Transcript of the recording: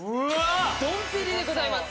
ドンペリでございます。